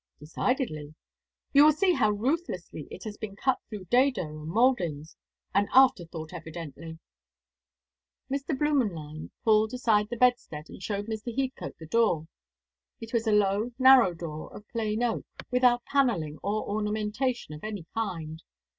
"Decidedly. You will see how ruthlessly it has been cut through dado and mouldings. An after thought evidently." Mr. Blümenlein pulled aside the bedstead and showed Mr. Heathcote the door. It was a low narrow door, of plain oak, without panelling or ornamentation of any kind.